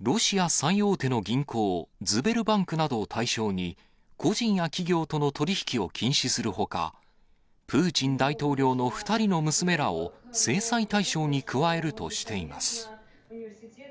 ロシア最大手の銀行、ズベルバンクなどを対象に、個人や企業との取り引きを禁止するほか、プーチン大統領の２人の娘らを、制裁対象に加えるとしています。